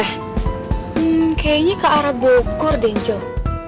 hmm kayaknya ke arah bogor denco